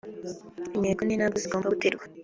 intego n’intambwe zigomba guterwa